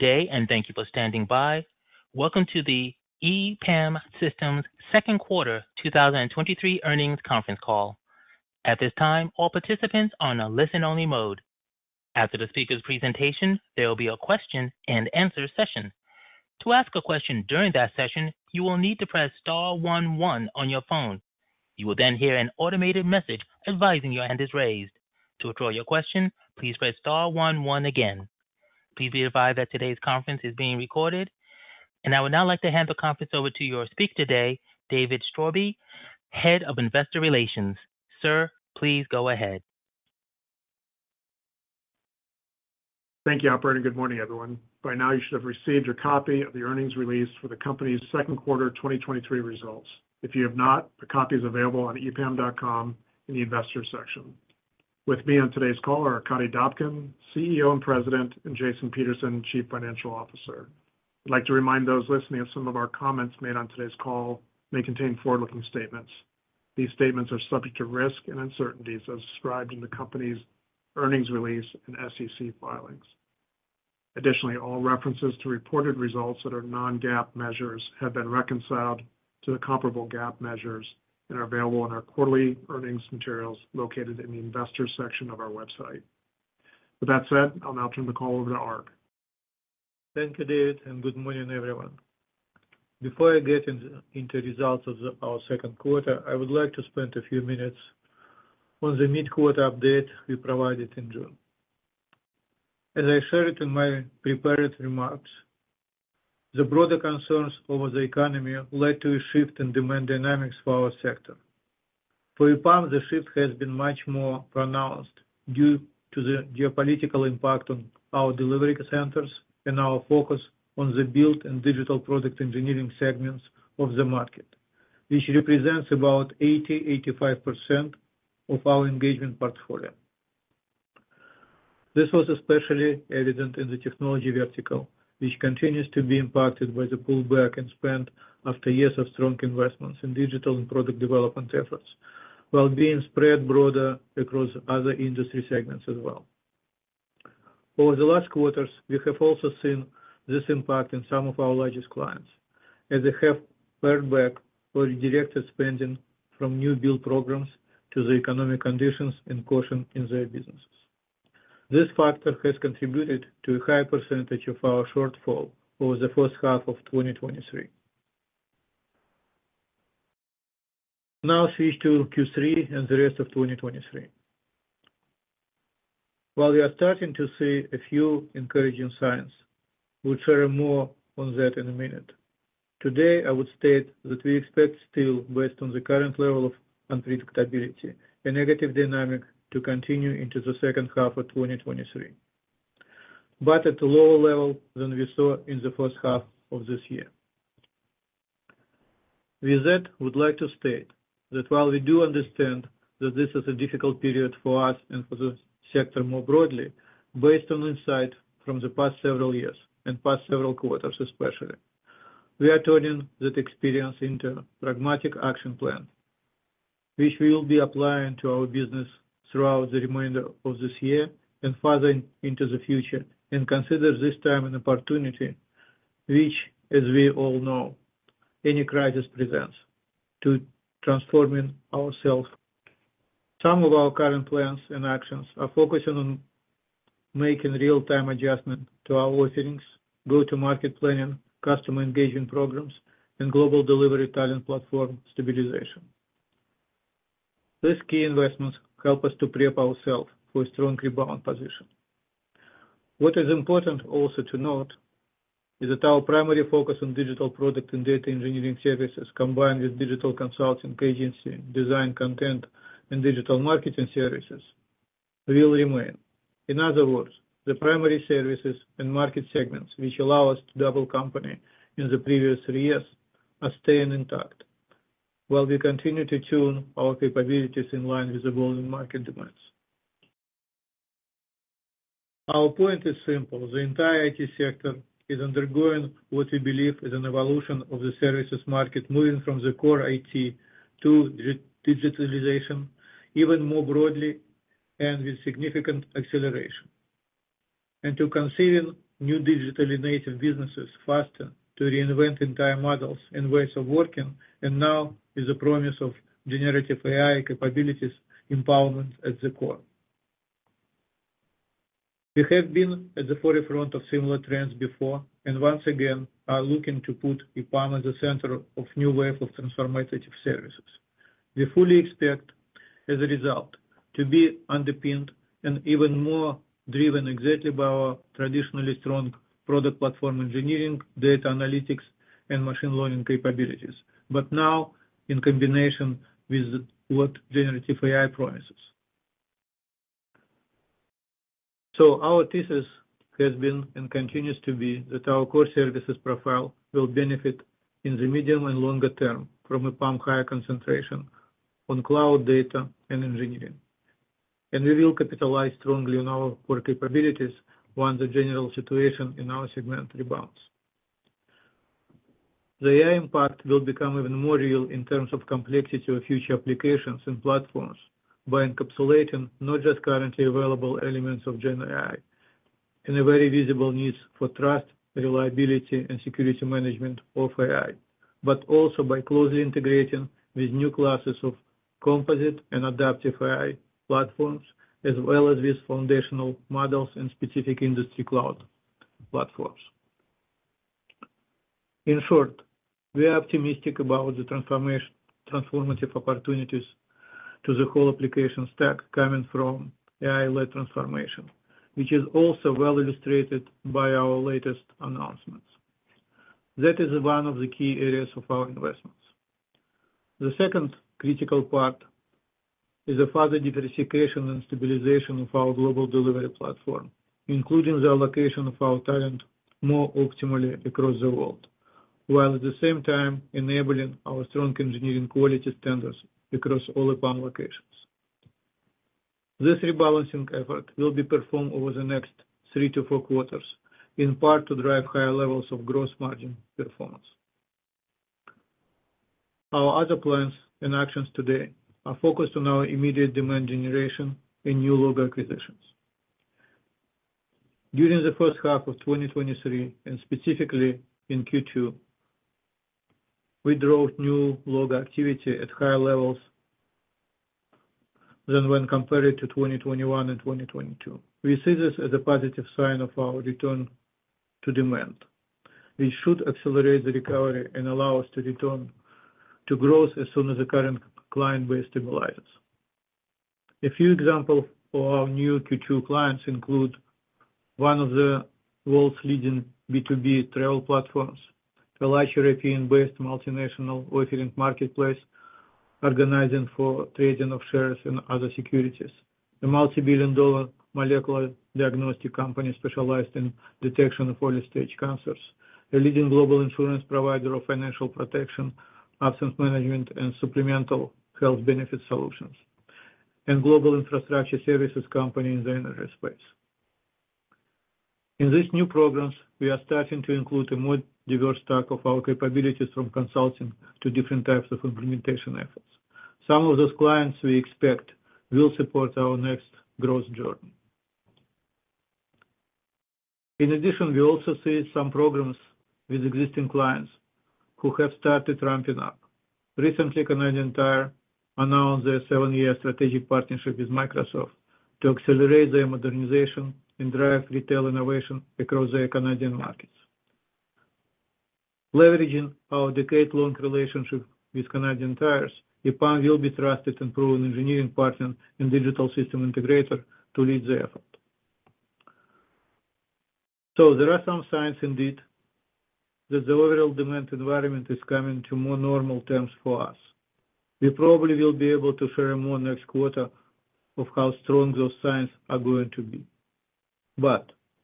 Today. Thank you for standing by. Welcome to the EPAM Systems second quarter 2023 earnings conference call. At this time, all participants are on a listen-only mode. After the speaker's presentation, there will be a question-and-answer session. To ask a question during that session, you will need to press star one one on your phone. You will then hear an automated message advising your hand is raised. To withdraw your question, please press star one one again. Please be advised that today's conference is being recorded. I would now like to hand the conference over to your speaker today, David Straube, head of investor relations. Sir, please go ahead. Thank you, operator. Good morning, everyone. By now, you should have received your copy of the earnings release for the company's second quarter 2023 results. If you have not, the copy is available on epam.com in the investor section. With me on today's call are Arkadiy Dobkin, CEO and President, and Jason Peterson, Chief Financial Officer. I'd like to remind those listening that some of our comments made on today's call may contain forward-looking statements. These statements are subject to risk and uncertainties as described in the company's earnings release and SEC filings. Additionally, all references to reported results that are non-GAAP measures have been reconciled to the comparable GAAP measures and are available on our quarterly earnings materials located in the investor section of our website. With that said, I'll now turn the call over to Arkadiy. Thank you, David. Good morning, everyone. Before I get into results of our second quarter, I would like to spend a few minutes on the mid-quarter update we provided in June. As I shared in my prepared remarks, the broader concerns over the economy led to a shift in demand dynamics for our sector. For EPAM, the shift has been much more pronounced due to the geopolitical impact on our delivery centers and our focus on the build and digital product engineering segments of the market, which represents about 80%-85% of our engagement portfolio. This was especially evident in the technology vertical, which continues to be impacted by the pullback and spend after years of strong investments in digital and product development efforts, while being spread broader across other industry segments as well. Over the last quarters, we have also seen this impact in some of our largest clients as they have pared back or redirected spending from new build programs to the economic conditions and caution in their businesses. This factor has contributed to a high % of our shortfall over the first half of 2023. Switch to Q3 and the rest of 2023. While we are starting to see a few encouraging signs, we'll share more on that in a minute. Today, I would state that we expect still, based on the current level of unpredictability, a negative dynamic to continue into the second half of 2023, but at a lower level than we saw in the first half of this year. With that, I would like to state that while we do understand that this is a difficult period for us and for the sector more broadly, based on insight from the past several years and past several quarters especially, we are turning that experience into pragmatic action plan, which we will be applying to our business throughout the remainder of this year and further into the future, and consider this time an opportunity, which, as we all know, any crisis presents to transforming ourselves. Some of our current plans and actions are focusing on making real-time adjustment to our offerings, go-to-market planning, customer engagement programs, and global delivery talent platform stabilization. These key investments help us to prep ourselves for a strong rebound position. What is important also to note, is that our primary focus on digital product and data engineering services, combined with digital consulting, agency, design, content, and digital marketing services, will remain. In other words, the primary services and market segments which allow us to double company in the previous three years are staying intact, while we continue to tune our capabilities in line with the growing market demands. Our point is simple: the entire IT sector is undergoing what we believe is an evolution of the services market, moving from the core IT to digitalization, even more broadly and with significant acceleration. To considering new digitally native businesses faster, to reinvent entire models and ways of working, and now is a promise of generative AI capabilities empowerment at the core. We have been at the forefront of similar trends before, and once again are looking to put EPAM at the center of new wave of transformative services. We fully expect, as a result, to be underpinned and even more driven exactly by our traditionally strong product platform engineering, data analytics, and machine learning capabilities, but now in combination with what generative AI promises. Our thesis has been, and continues to be, that our core services profile will benefit in the medium and longer term from a much higher concentration on cloud data and engineering. We will capitalize strongly on our core capabilities once the general situation in our segment rebounds. The AI impact will become even more real in terms of complexity of future applications and platforms by encapsulating not just currently available elements of Gen AI in a very visible needs for trust, reliability, and security management of AI, but also by closely integrating with new classes of composite and adaptive AI platforms, as well as with foundational models and specific industry cloud platforms. In short, we are optimistic about the transformative opportunities to the whole application stack coming from AI-led transformation, which is also well illustrated by our latest announcements. That is one of the key areas of our investments. The second critical part is a further diversification and stabilization of our global delivery platform, including the allocation of our talent more optimally across the world, while at the same time enabling our strong engineering quality standards across all EPAM locations. This rebalancing effort will be performed over the next 3 to 4 quarters, in part to drive higher levels of gross margin performance. Our other plans and actions today are focused on our immediate demand generation and new logo acquisitions. During the first half of 2023, and specifically in Q2, we drove new logo activity at higher levels than when compared to 2021 and 2022. We see this as a positive sign of our return to demand, which should accelerate the recovery and allow us to return to growth as soon as the current client base stabilizes. A few examples of our new Q2 clients include one of the world's leading B2B travel platforms, a large European-based multinational working marketplace, organizing for trading of shares and other securities, a multibillion-dollar molecular diagnostic company specialized in detection of early-stage cancers, a leading global insurance provider of financial protection, absence management, and supplemental health benefit solutions, and global infrastructure services company in the energy space. In these new programs, we are starting to include a more diverse stack of our capabilities from consulting to different types of implementation efforts. Some of those clients, we expect, will support our next growth journey. In addition, we also see some programs with existing clients who have started ramping up. Recently, Canadian Tire announced their 7-year strategic partnership with Microsoft to accelerate their modernization and drive retail innovation across the Canadian markets. Leveraging our decade-long relationship with Canadian Tire, EPAM will be trusted and proven engineering partner and digital system integrator to lead the effort. There are some signs indeed, that the overall demand environment is coming to more normal terms for us. We probably will be able to share more next quarter of how strong those signs are going to be.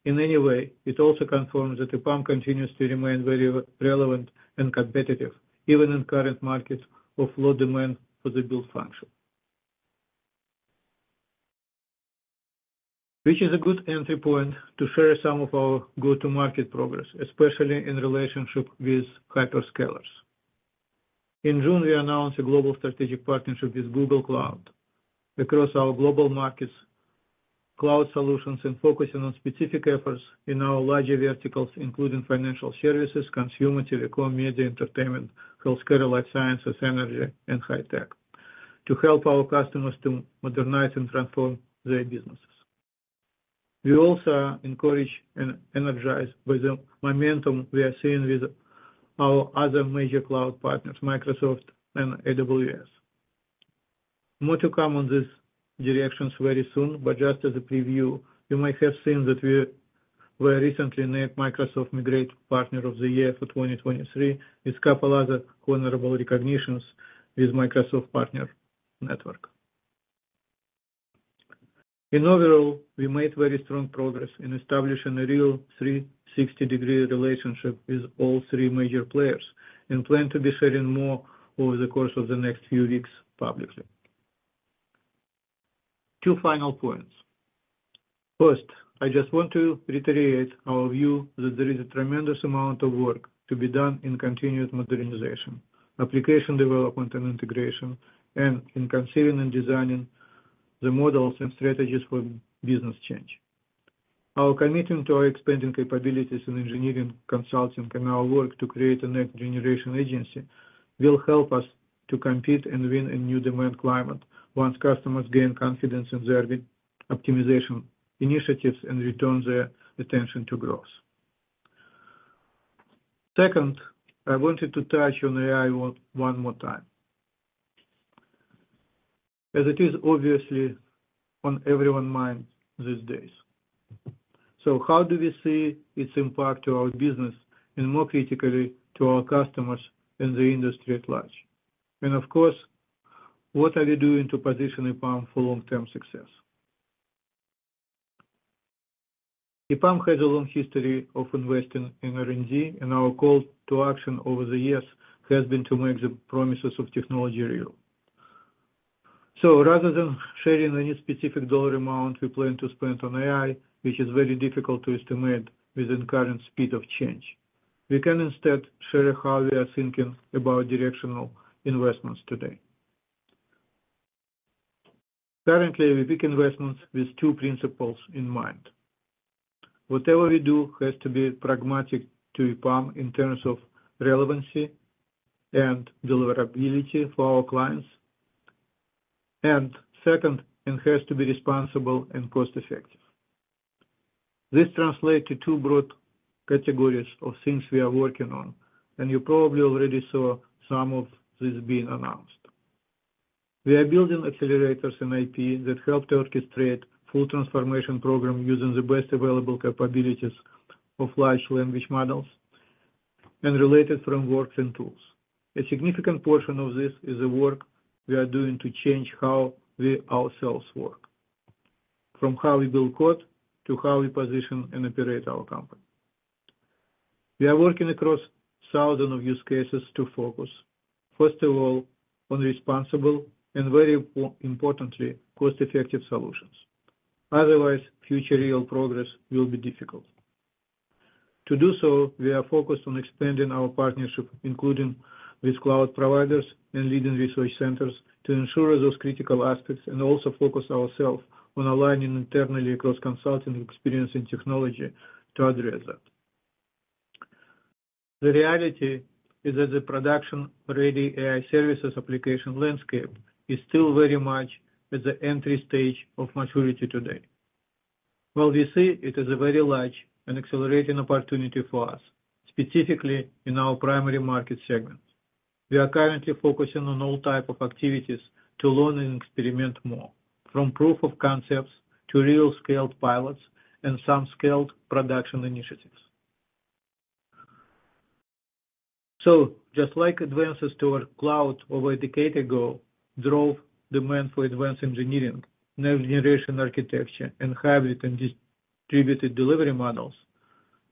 In any way, it also confirms that EPAM continues to remain very relevant and competitive, even in current markets of low demand for the build function. Which is a good entry point to share some of our go-to-market progress, especially in relationship with hyperscalers. In June, we announced a global strategic partnership with Google Cloud across our global markets, cloud solutions, and focusing on specific efforts in our larger verticals, including financial services, consumer, telecom, media, entertainment, healthcare, life sciences, energy, and high tech, to help our customers to modernize and transform their businesses. We also are encouraged and energized by the momentum we are seeing with our other major cloud partners, Microsoft and AWS. More to come on these directions very soon, but just as a preview, you might have seen that we were recently named Microsoft Migrate Partner of the Year for 2023, with couple other honorable recognitions with Microsoft Partner Network. In overall, we made very strong progress in establishing a real 360-degree relationship with all three major players, and plan to be sharing more over the course of the next few weeks publicly. Two final points. First, I just want to reiterate our view that there is a tremendous amount of work to be done in continued modernization, application development and integration, and in conceiving and designing the models and strategies for business change. Our commitment to our expanding capabilities in engineering consulting and our work to create a next-generation agency will help us to compete and win in new demand climate once customers gain confidence in their optimization initiatives and return their attention to growth. Second, I wanted to touch on AI one more time, as it is obviously on everyone mind these days. How do we see its impact to our business, and more critically, to our customers and the industry at large? Of course, what are we doing to position EPAM for long-term success? EPAM has a long history of investing in R&D. Our call to action over the years has been to make the promises of technology real. Rather than sharing any specific dollar amount we plan to spend on AI, which is very difficult to estimate within current speed of change, we can instead share how we are thinking about directional investments today. Currently, we pick investments with two principles in mind. Whatever we do has to be pragmatic to EPAM in terms of relevancy and deliverability for our clients. Second, it has to be responsible and cost effective. This translates to two broad categories of things we are working on, and you probably already saw some of this being announced. We are building accelerators in IP that help to orchestrate full transformation program using the best available capabilities of large language models and related frameworks and tools. A significant portion of this is the work we are doing to change how we ourselves work, from how we build code to how we position and operate our company. We are working across thousands of use cases to focus, first of all, on responsible and very importantly, cost-effective solutions. Otherwise, future real progress will be difficult. To do so, we are focused on expanding our partnership, including with cloud providers and leading research centers, to ensure those critical aspects, and also focus ourselves on aligning internally across consulting, experience, and technology to address that. The reality is that the production-ready AI services application landscape is still very much at the entry stage of maturity today. While we see it as a very large and accelerating opportunity for us, specifically in our primary market segments, we are currently focusing on all type of activities to learn and experiment more, from proof of concepts to real scaled pilots and some scaled production initiatives. Just like advances to our cloud over a decade ago drove demand for advanced engineering, next-generation architecture, and hybrid and distributed delivery models,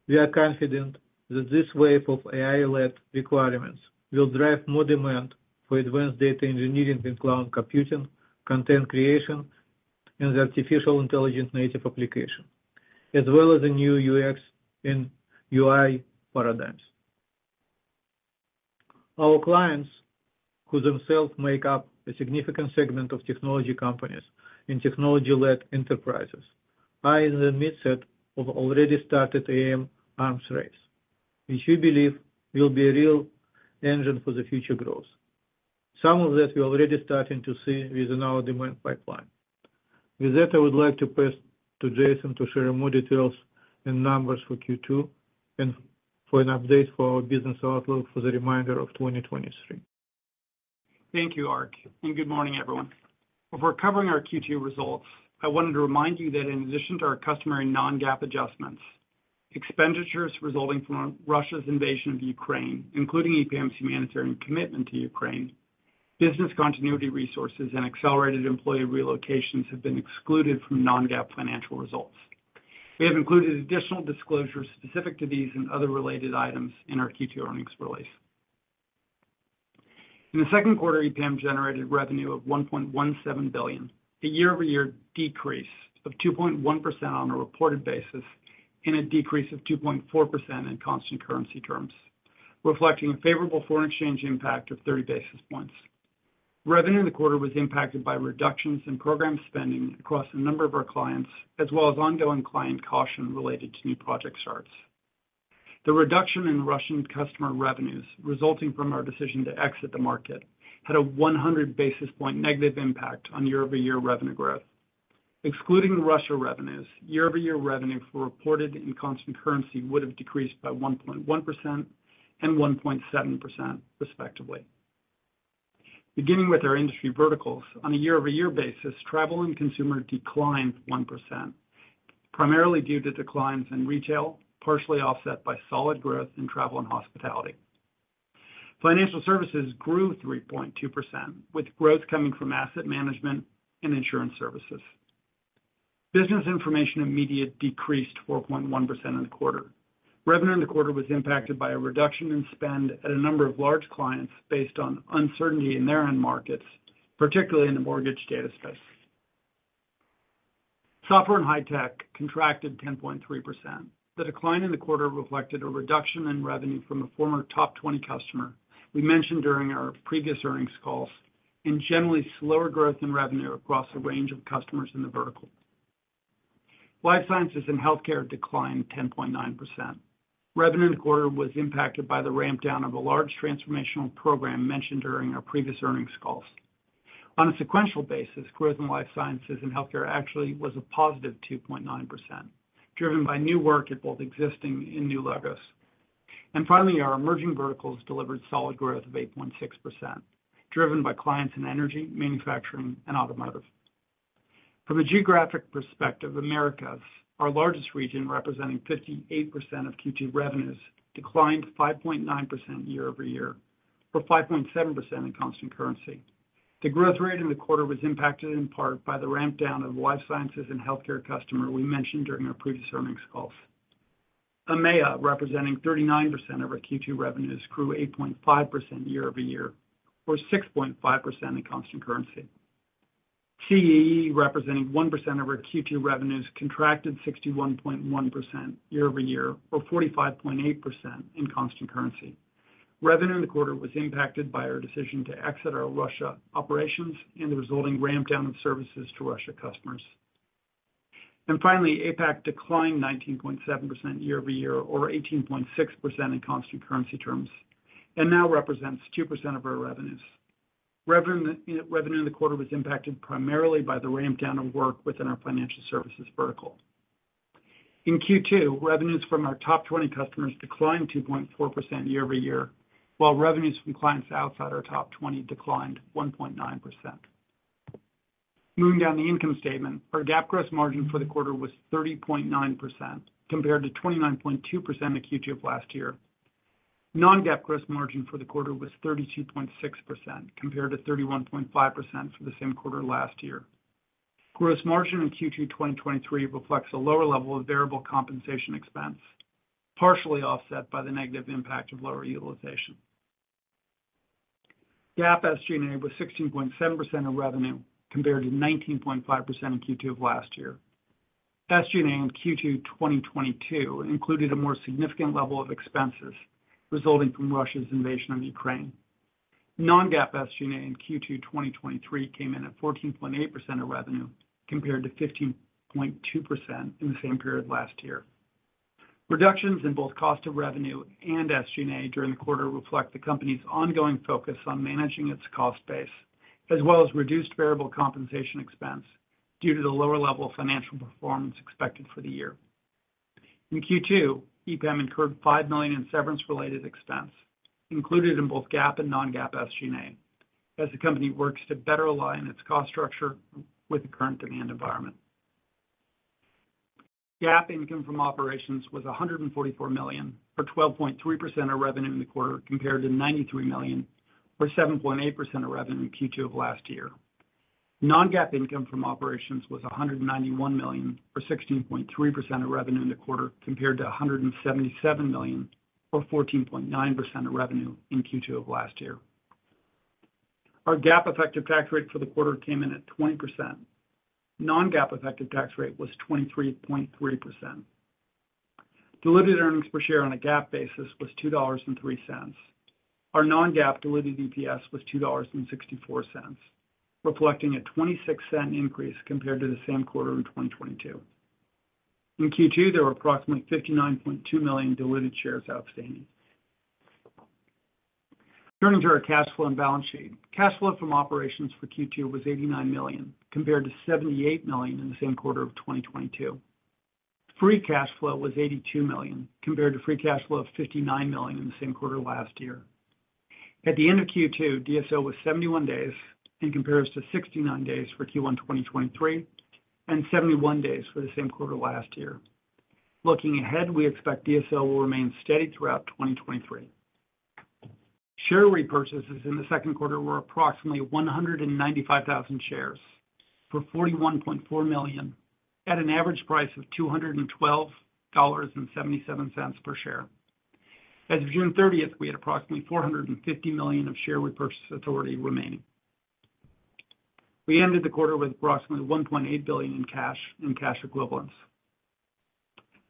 we are confident that this wave of AI-led requirements will drive more demand for advanced data engineering and cloud computing, content creation, and the artificial intelligence native application, as well as the new UX and UI paradigms. Our clients, who themselves make up a significant segment of technology companies and technology-led enterprises, are in the mindset of already started AI arms race, which we believe will be a real engine for the future growth. Some of that we are already starting to see within our demand pipeline. With that, I would like to pass to Jason to share more details and numbers for Q2 and for an update for our business outlook for the remainder of 2023. Thank you, Ark, good morning, everyone. Before covering our Q2 results, I wanted to remind you that in addition to our customary non-GAAP adjustments, expenditures resulting from Russia's invasion of Ukraine, including EPAM's humanitarian commitment to Ukraine, business continuity resources, and accelerated employee relocations have been excluded from non-GAAP financial results. We have included additional disclosures specific to these and other related items in our Q2 earnings release. In the second quarter, EPAM generated revenue of $1.17 billion, a year-over-year decrease of 2.1% on a reported basis and a decrease of 2.4% in constant currency terms, reflecting a favorable foreign exchange impact of 30 basis points. Revenue in the quarter was impacted by reductions in program spending across a number of our clients, as well as ongoing client caution related to new project starts. The reduction in Russian customer revenues resulting from our decision to exit the market had a 100 basis point negative impact on year-over-year revenue growth. Excluding Russia revenues, year-over-year revenue for reported and constant currency would have decreased by 1.1% and 1.7% respectively. Beginning with our industry verticals, on a year-over-year basis, travel and consumer declined 1%, primarily due to declines in retail, partially offset by solid growth in travel and hospitality. Financial services grew 3.2%, with growth coming from asset management and insurance services. Business information and media decreased 4.1% in the quarter. Revenue in the quarter was impacted by a reduction in spend at a number of large clients based on uncertainty in their end markets, particularly in the mortgage data space. Software and high tech contracted 10.3%. The decline in the quarter reflected a reduction in revenue from a former top 20 customer we mentioned during our previous earnings calls, and generally slower growth in revenue across a range of customers in the vertical. Life sciences and healthcare declined 10.9%. Revenue in the quarter was impacted by the ramp down of a large transformational program mentioned during our previous earnings calls. On a sequential basis, growth in life sciences and healthcare actually was a positive 2.9%, driven by new work at both existing and new logos. Finally, our emerging verticals delivered solid growth of 8.6%, driven by clients in energy, manufacturing, and automotive. From a geographic perspective, Americas, our largest region, representing 58% of Q2 revenues, declined 5.9% year-over-year, or 5.7% in constant currency. The growth rate in the quarter was impacted in part by the ramp down of life sciences and healthcare customer we mentioned during our previous earnings calls. EMEA, representing 39% of our Q2 revenues, grew 8.5% year-over-year, or 6.5% in constant currency. CEE, representing 1% of our Q2 revenues, contracted 61.1% year-over-year, or 45.8% in constant currency. Revenue in the quarter was impacted by our decision to exit our Russia operations and the resulting ramp down of services to Russia customers. Finally, APAC declined 19.7% year-over-year or 18.6% in constant currency terms, and now represents 2% of our revenues. Revenue in the quarter was impacted primarily by the ramp down of work within our financial services vertical. In Q2, revenues from our top 20 customers declined 2.4% year-over-year, while revenues from clients outside our top 20 declined 1.9%. Moving down the income statement, our GAAP gross margin for the quarter was 30.9%, compared to 29.2% in Q2 of last year. non-GAAP gross margin for the quarter was 32.6%, compared to 31.5% for the same quarter last year. Gross margin in Q2 2023 reflects a lower level of variable compensation expense, partially offset by the negative impact of lower utilization. GAAP SG&A was 16.7% of revenue, compared to 19.5% in Q2 of last year. SG&A in Q2 2022 included a more significant level of expenses resulting from Russia's invasion of Ukraine. Non-GAAP SG&A in Q2 2023 came in at 14.8% of revenue, compared to 15.2% in the same period last year. Reductions in both cost of revenue and SG&A during the quarter reflect the company's ongoing focus on managing its cost base, as well as reduced variable compensation expense due to the lower level of financial performance expected for the year. In Q2, EPAM incurred $5 million in severance-related expense, included in both GAAP and non-GAAP SG&A, as the company works to better align its cost structure with the current demand environment. GAAP income from operations was $144 million, or 12.3% of revenue in the quarter, compared to $93 million, or 7.8% of revenue in Q2 of last year. Non-GAAP income from operations was $191 million, or 16.3% of revenue in the quarter, compared to $177 million, or 14.9% of revenue in Q2 of last year. Our GAAP effective tax rate for the quarter came in at 20%. Non-GAAP effective tax rate was 23.3%. Diluted earnings per share on a GAAP basis was $2.03. Our non-GAAP diluted EPS was $2.64, reflecting a $0.26 increase compared to the same quarter in 2022. In Q2, there were approximately 59.2 million diluted shares outstanding. Turning to our cash flow and balance sheet. Cash flow from operations for Q2 was $89 million, compared to $78 million in the same quarter of 2022. Free cash flow was $82 million, compared to free cash flow of $59 million in the same quarter last year. At the end of Q2, DSO was 71 days in comparison to 69 days for Q1 2023, and 71 days for the same quarter last year. Looking ahead, we expect DSO will remain steady throughout 2023. Share repurchases in the second quarter were approximately 195,000 shares, for $41.4 million at an average price of $212.77 per share. As of June 30th, we had approximately $450 million of share repurchase authority remaining. We ended the quarter with approximately $1.8 billion in cash and cash equivalents.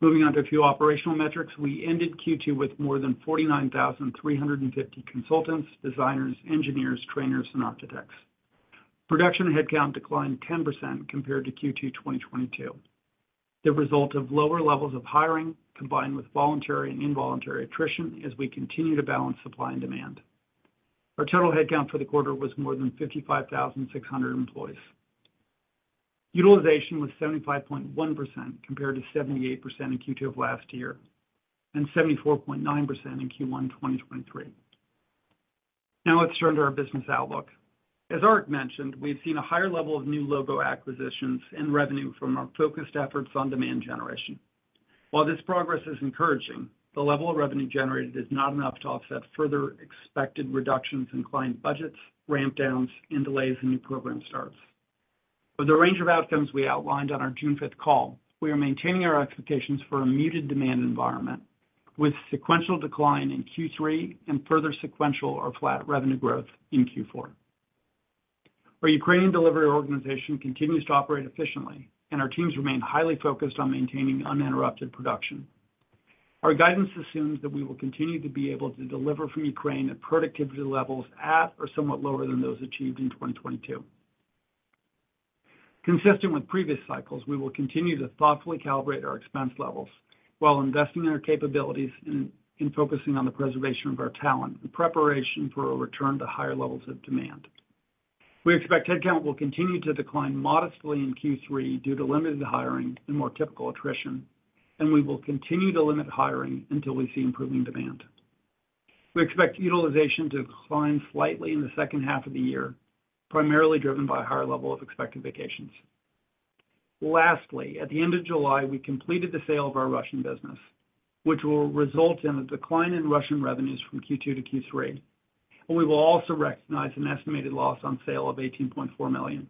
Moving on to a few operational metrics. We ended Q2 with more than 49,350 consultants, designers, engineers, trainers, and architects. Production headcount declined 10% compared to Q2 2022, the result of lower levels of hiring, combined with voluntary and involuntary attrition as we continue to balance supply and demand. Our total headcount for the quarter was more than 55,600 employees. Utilization was 75.1%, compared to 78% in Q2 of last year, and 74.9% in Q1 2023. Let's turn to our business outlook. As Ark mentioned, we've seen a higher level of new logo acquisitions and revenue from our focused efforts on demand generation. This progress is encouraging, the level of revenue generated is not enough to offset further expected reductions in client budgets, ramp downs, and delays in new program starts. For the range of outcomes we outlined on our June 5th call, we are maintaining our expectations for a muted demand environment, with sequential decline in Q3 and further sequential or flat revenue growth in Q4. Our Ukrainian delivery organization continues to operate efficiently, and our teams remain highly focused on maintaining uninterrupted production. Our guidance assumes that we will continue to be able to deliver from Ukraine at productivity levels at or somewhat lower than those achieved in 2022. Consistent with previous cycles, we will continue to thoughtfully calibrate our expense levels while investing in our capabilities and focusing on the preservation of our talent in preparation for a return to higher levels of demand. We expect headcount will continue to decline modestly in Q3 due to limited hiring and more typical attrition, and we will continue to limit hiring until we see improving demand. We expect utilization to decline slightly in the second half of the year, primarily driven by a higher level of expected vacations. Lastly, at the end of July, we completed the sale of our Russian business, which will result in a decline in Russian revenues from Q2 to Q3, and we will also recognize an estimated loss on sale of $18.4 million.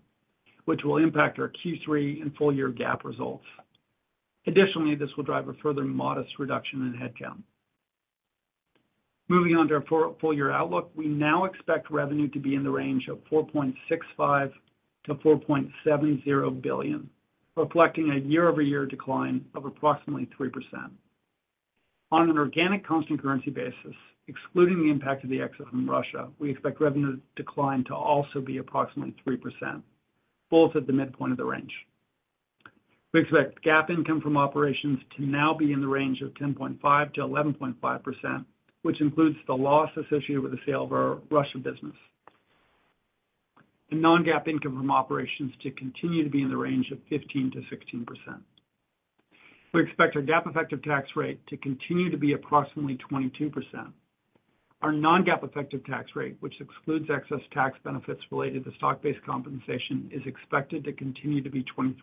Which will impact our Q3 and full year GAAP results. Additionally, this will drive a further modest reduction in headcount. Moving on to our full year outlook. We now expect revenue to be in the range of $4.65 billion-$4.70 billion, reflecting a year-over-year decline of approximately 3%. On an organic constant currency basis, excluding the impact of the exit from Russia, we expect revenue decline to also be approximately 3%, both at the midpoint of the range. We expect GAAP income from operations to now be in the range of 10.5%-11.5%, which includes the loss associated with the sale of our Russia business. Non-GAAP income from operations to continue to be in the range of 15%-16%. We expect our GAAP effective tax rate to continue to be approximately 22%. Our non-GAAP effective tax rate, which excludes excess tax benefits related to stock-based compensation, is expected to continue to be 23%.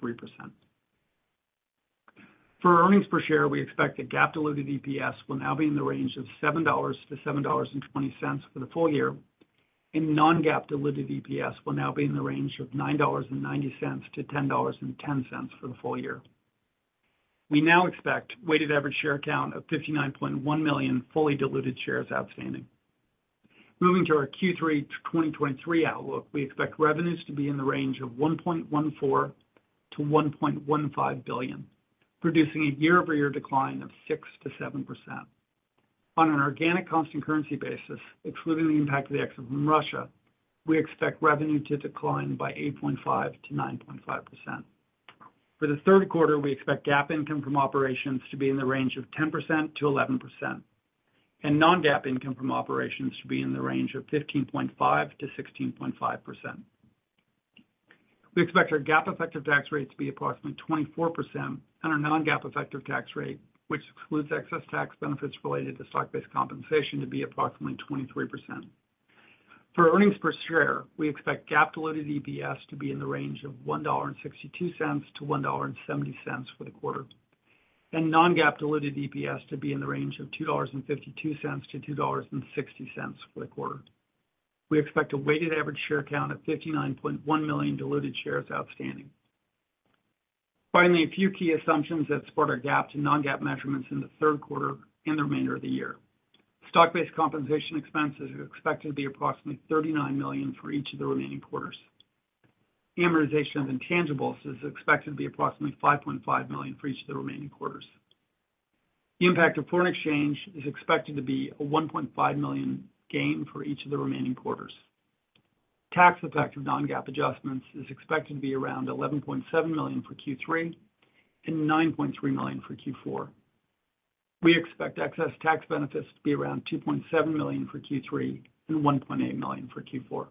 For earnings per share, we expect that GAAP diluted EPS will now be in the range of $7.00-$7.20 for the full year, and non-GAAP diluted EPS will now be in the range of $9.90-$10.10 for the full year. We now expect weighted average share count of 59.1 million fully diluted shares outstanding. Moving to our Q3 2023 outlook, we expect revenues to be in the range of $1.14 billion-$1.15 billion, producing a year-over-year decline of 6%-7%. On an organic constant currency basis, excluding the impact of the exit from Russia, we expect revenue to decline by 8.5%-9.5%. For the third quarter, we expect GAAP income from operations to be in the range of 10%-11%, and non-GAAP income from operations to be in the range of 15.5%-16.5%. We expect our GAAP effective tax rate to be approximately 24% on our non-GAAP effective tax rate, which excludes excess tax benefits related to stock-based compensation, to be approximately 23%. For earnings per share, we expect GAAP diluted EPS to be in the range of $1.62-$1.70 for the quarter, and non-GAAP diluted EPS to be in the range of $2.52-$2.60 for the quarter. We expect a weighted average share count of 59.1 million diluted shares outstanding. A few key assumptions that support our GAAP to non-GAAP measurements in the third quarter and the remainder of the year. Stock-based compensation expenses are expected to be approximately $39 million for each of the remaining quarters. Amortization of intangibles is expected to be approximately $5.5 million for each of the remaining quarters. The impact of foreign exchange is expected to be a $1.5 million gain for each of the remaining quarters. Tax effect of non-GAAP adjustments is expected to be around $11.7 million for Q3 and $9.3 million for Q4. We expect excess tax benefits to be around $2.7 million for Q3 and $1.8 million for Q4.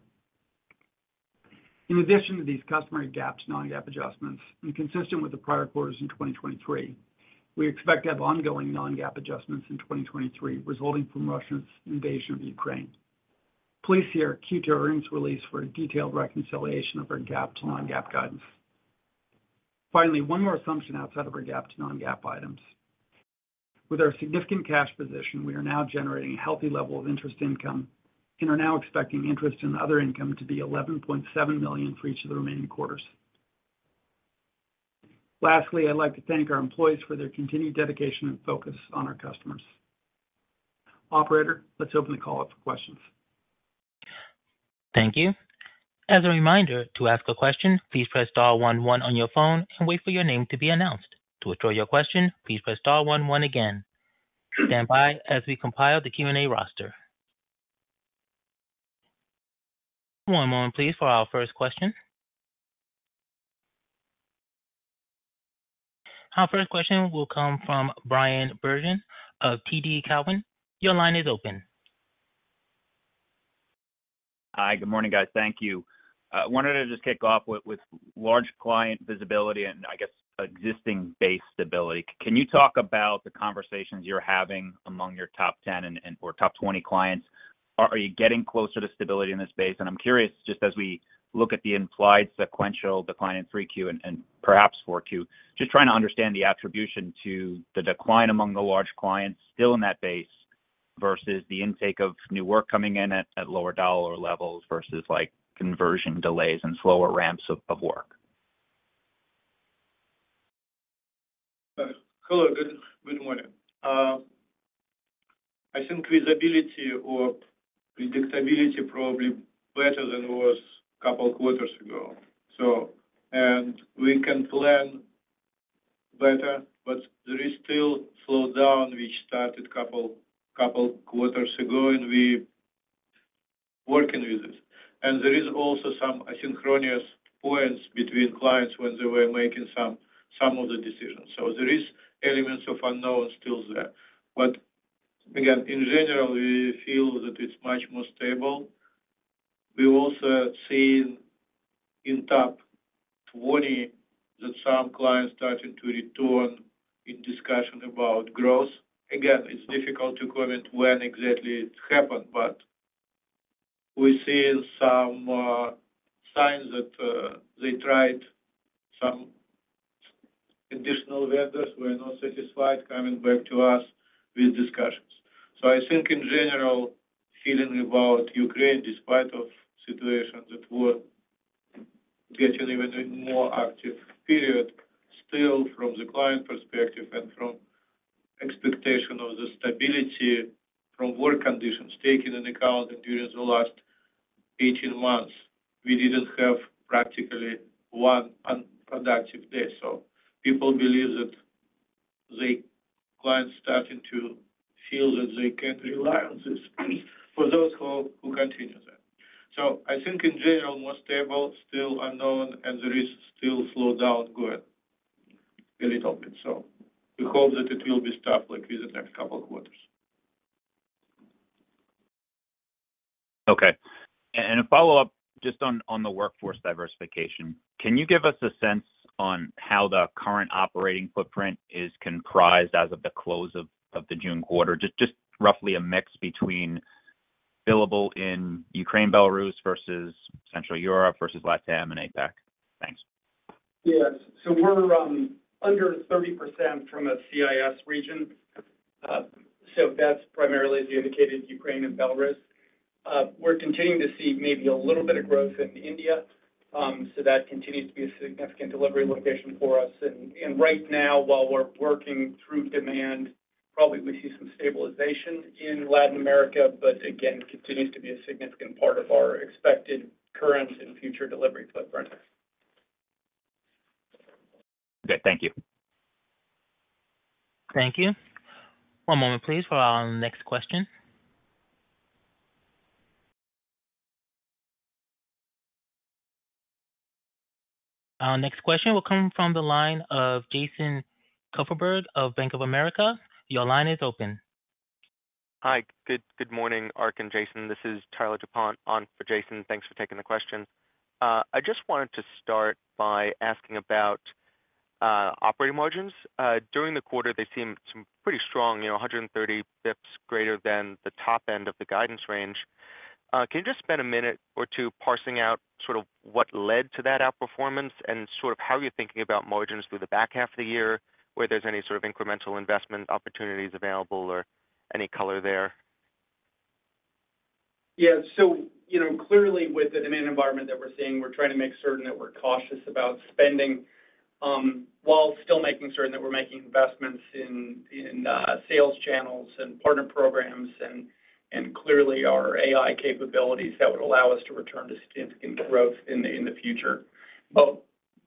In addition to these customary GAAP to non-GAAP adjustments, and consistent with the prior quarters in 2023, we expect to have ongoing non-GAAP adjustments in 2023, resulting from Russia's invasion of Ukraine. Please see our Q2 earnings release for a detailed reconciliation of our GAAP to non-GAAP guidance. Finally, one more assumption outside of our GAAP to non-GAAP items. With our significant cash position, we are now generating a healthy level of interest income and are now expecting interest in other income to be $11.7 million for each of the remaining quarters. Lastly, I'd like to thank our employees for their continued dedication and focus on our customers. Operator, let's open the call up for questions. Thank you. As a reminder, to ask a question, please press star one, one on your phone and wait for your name to be announced. To withdraw your question, please press star one, one again. Stand by as we compile the Q&A roster. One moment, please, for our first question. Our first question will come from Bryan Bergin of TD Cowen. Your line is open. Hi, good morning, guys. Thank you. Wanted to just kick off with, with large client visibility and, I guess, existing base stability. Can you talk about the conversations you're having among your top 10 and, and or top 20 clients? Are, are you getting closer to stability in this space? I'm curious, just as we look at the implied sequential decline in 3Q and, and perhaps 4Q, just trying to understand the attribution to the decline among the large clients still in that base, versus the intake of new work coming in at, at lower dollar levels, versus, like, conversion delays and slower ramps of, of work. Hello, good, good morning. I think visibility or predictability probably better than it was a couple quarters ago. And we can plan better, but there is still slowdown, which started couple, couple quarters ago, and we working with it. There is also some asynchronous points between clients when they were making some, some of the decisions. There is elements of unknown still there. Again, in general, we feel that it's much more stable. We also have seen in top 20 that some clients starting to return in discussion about growth. Again, it's difficult to comment when exactly it happened, but we're seeing some signs that they tried some-... additional vendors were not satisfied coming back to us with discussions. I think in general, feeling about Ukraine, despite of situations that were getting even a more active period, still from the client perspective and from expectation of the stability from work conditions, taking into account that during the last 18 months, we didn't have practically one unproductive day. People believe that the clients starting to feel that they can rely on this for those who continue that. I think in general, more stable, still unknown, and the risk still slows down good a little bit. We hope that it will be stopped within the next 2 quarters. Okay. A follow-up just on, on the workforce diversification. Can you give us a sense on how the current operating footprint is comprised as of the close of, of the June quarter? Just, just roughly a mix between billable in Ukraine, Belarus versus Central Europe versus LatAm and APAC. Thanks. Yes. We're under 30% from a CIS region. That's primarily, as you indicated, Ukraine and Belarus. We're continuing to see maybe a little bit of growth in India, so that continues to be a significant delivery location for us. And right now, while we're working through demand, probably we see some stabilization in Latin America, but again, continues to be a significant part of our expected current and future delivery footprint. Okay, thank you. Thank you. One moment, please, for our next question. Our next question will come from the line of Jason Kupferberg of Bank of America. Your line is open. Hi, good, good morning, Ark and Jason. This is Tyler Dupont on for Jason. Thanks for taking the question. I just wanted to start by asking about operating margins. During the quarter, they seemed some pretty strong, you know, 130 basis points greater than the top end of the guidance range. Can you just spend a minute or two parsing out sort of what led to that outperformance and sort of how you're thinking about margins through the back half of the year, whether there's any sort of incremental investment opportunities available or any color there? Yeah. You know, clearly, with the demand environment that we're seeing, we're trying to make certain that we're cautious about spending, while still making certain that we're making investments in, in sales channels and partner programs and, clearly our AI capabilities that would allow us to return to significant growth in the future.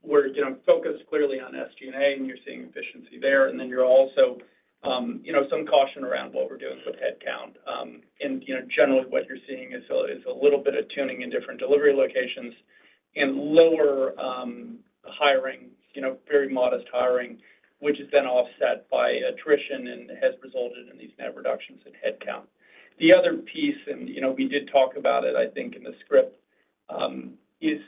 We're, you know, focused clearly on SG&A, and you're seeing efficiency there. You're also, you know, some caution around what we're doing with headcount. You know, generally, what you're seeing is a, is a little bit of tuning in different delivery locations and lower hiring, you know, very modest hiring, which is then offset by attrition and has resulted in these net reductions in headcount. The other piece, and, you know, we did talk about it, I think, in the script, is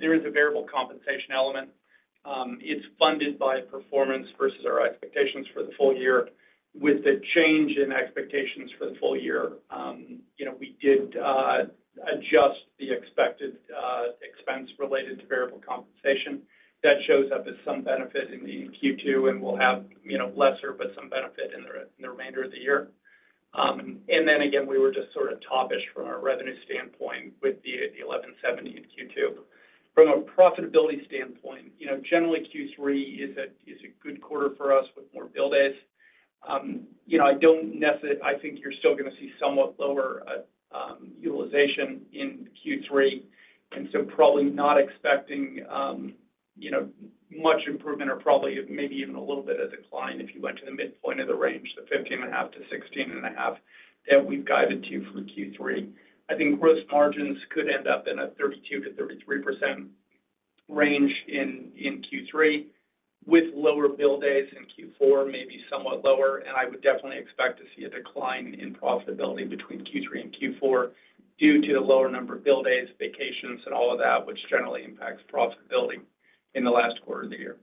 there is a variable compensation element. It's funded by performance versus our expectations for the full year. With the change in expectations for the full year, you know, we did adjust the expected expense related to variable compensation. That shows up as some benefit in the Q2, and we'll have, you know, lesser, but some benefit in the remainder of the year. Then again, we were just sort of top-ish from a revenue standpoint with the $1,170 in Q2. From a profitability standpoint, you know, generally, Q3 is a good quarter for us with more bill days. You know, I don't I think you're still gonna see somewhat lower utilization in Q3, and so probably not expecting, you know, much improvement or probably maybe even a little bit of decline if you went to the midpoint of the range, the 15.5-16.5, that we've guided to for Q3. I think gross margins could end up in a 32%-33% range in Q3, with lower bill days in Q4, maybe somewhat lower, and I would definitely expect to see a decline in profitability between Q3 and Q4 due to the lower number of bill days, vacations and all of that, which generally impacts profitability in the last quarter of the year.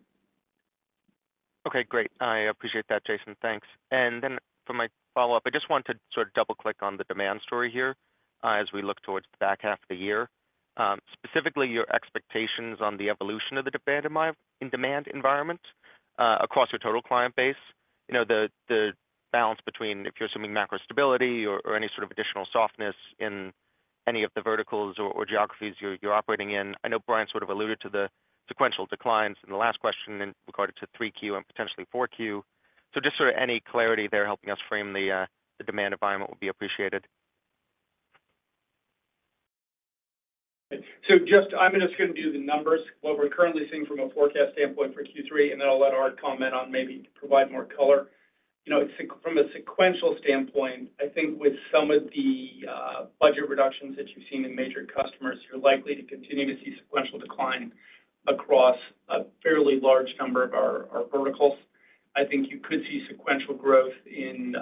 Okay, great. I appreciate that, Jason. Thanks. For my follow-up, I just want to sort of double click on the demand story here, as we look towards the back half of the year. Specifically, your expectations on the evolution of the demand environment, in demand environment, across your total client base. You know, the, the balance between, if you're assuming macro stability or, or any sort of additional softness in any of the verticals or, or geographies you're, you're operating in. I know Bryan sort of alluded to the sequential declines in the last question in regard to 3Q and potentially 4Q. Just sort of any clarity there helping us frame the demand environment will be appreciated. Just I'm just gonna give you the numbers, what we're currently seeing from a forecast standpoint for Q3, and then I'll let Ark comment on maybe provide more color. You know, from a sequential standpoint, I think with some of the budget reductions that you've seen in major customers, you're likely to continue to see sequential decline across a fairly large number of our, our verticals. I think you could see sequential growth in,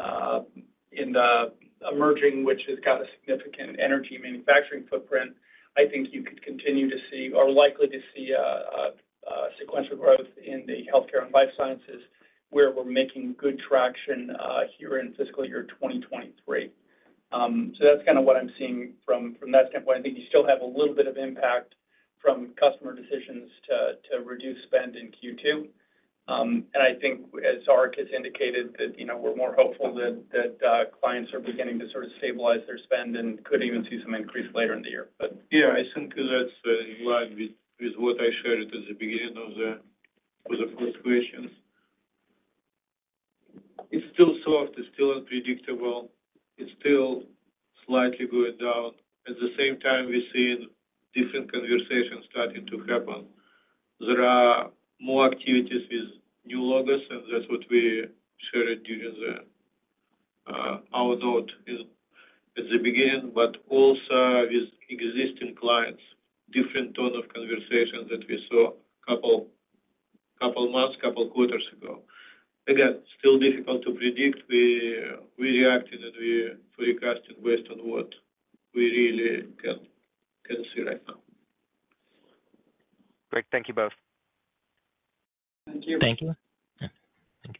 in the emerging, which has got a significant energy manufacturing footprint. I think you could continue to see or likely to see a, a, a sequential growth in the healthcare and life sciences, where we're making good traction here in fiscal year 2023. That's kind of what I'm seeing from, from that standpoint. I think you still have a little bit of impact from customer decisions to, to reduce spend in Q2. I think as Ark has indicated, that, you know, we're more hopeful that, that clients are beginning to sort of stabilize their spend and could even see some increase later in the year, but. Yeah, I think that's in line with, with what I shared at the beginning of the, with the first questions. It's still soft, it's still unpredictable, it's still slightly going down. At the same time, we're seeing different conversations starting to happen. There are more activities with new logos, and that's what we shared during the our note is at the beginning, but also with existing clients, different tone of conversation that we saw couple months, couple quarters ago. Still difficult to predict. We reacted, and we forecasted based on what we really can see right now. Great. Thank you both. Thank you. Thank you. Thank you.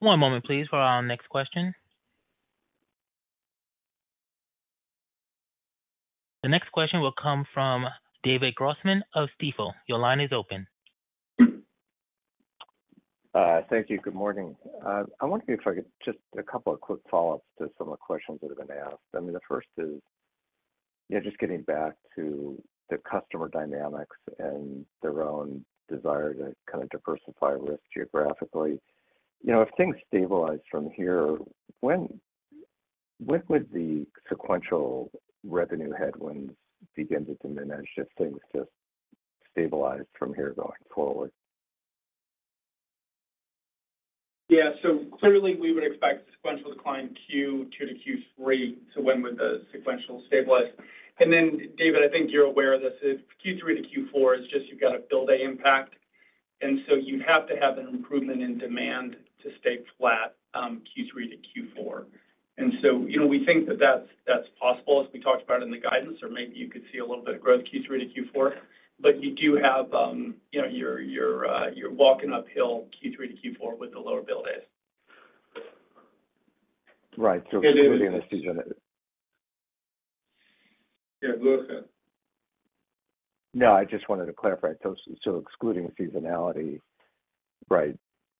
One moment, please, for our next question. The next question will come from David Grossman of Stifel. Your line is open. Thank you. Good morning. I wonder if I could just a couple of quick follow-ups to some of the questions that have been asked. I mean, the first is, yeah, just getting back to the customer dynamics and their own desire to kind of diversify risk geographically. You know, if things stabilize from here, when, when would the sequential revenue headwinds begin to diminish if things just stabilize from here going forward? Yeah. Clearly, we would expect sequential decline Q2 to Q3 to when would the sequential stabilize? Then, David, I think you're aware this is Q3 to Q4, is just you've got to build an impact, so you have to have an improvement in demand to stay flat Q3 to Q4. So, you know, we think that that's, that's possible as we talked about in the guidance, or maybe you could see a little bit of growth, Q3 to Q4. You do have, you know, you're, you're, you're walking uphill Q3 to Q4 with the lower build days. Right. including the season- Yeah, go ahead. No, I just wanted to clarify. excluding seasonality, right,